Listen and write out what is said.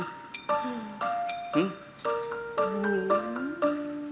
อืม